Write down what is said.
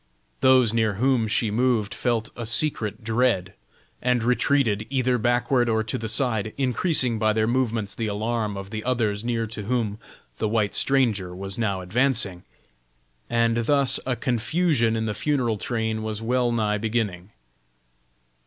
Those near whom she moved felt a secret dread, and retreated either backward or to the side, increasing by their movements the alarm of the others near to whom the white stranger was now advancing, and thus a confusion in the funeral train was well nigh beginning.